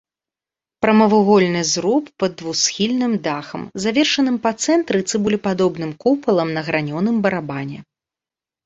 Прамавугольны зруб пад двухсхільным дахам, завершаным па цэнтры цыбулепадобным купалам на гранёным барабане.